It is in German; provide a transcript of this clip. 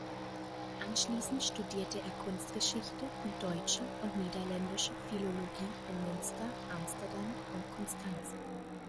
Anschließend studierte er Kunstgeschichte und Deutsche und Niederländische Philologie in Münster, Amsterdam und Konstanz.